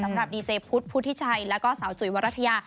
สำหรับดีเจพุทธพุทธิชัยแล้วก็สาวจุ๋ยวรัฐยา